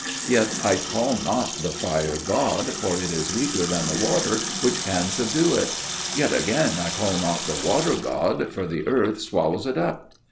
Yet I call not the fire god, for it is weaker than the water which can subdue it. Yet again I call not the water god, for the earth swallows it up.